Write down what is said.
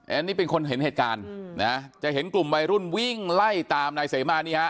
อันนี้เป็นคนเห็นเหตุการณ์นะจะเห็นกลุ่มวัยรุ่นวิ่งไล่ตามนายเสมานี่ฮะ